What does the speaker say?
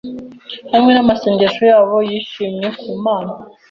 hamwe namasengesho yabo yishimye ku Mana